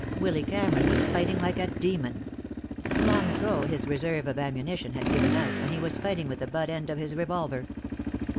Willy Cameron was fighting like a demon. Long ago his reserve of ammunition had given out, and he was fighting with the butt end of his revolver.